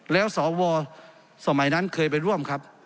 แล้วสวสมัยนั้นเคยไปร่วมครับ